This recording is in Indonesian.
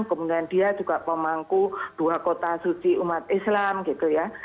kemudian dia juga pemangku dua kota suci umat islam gitu ya